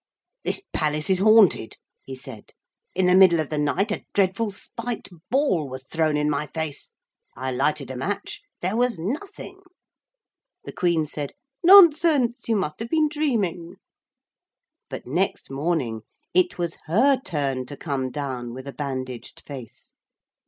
'This palace is haunted,' he said. 'In the middle of the night a dreadful spiked ball was thrown in my face. I lighted a match. There was nothing.' The Queen said, 'Nonsense! You must have been dreaming.' But next morning it was her turn to come down with a bandaged face.